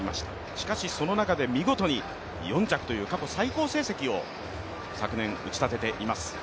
しかしその中で見事に４着という過去最高成績を昨年打ち立てております。